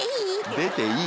「出ていい？」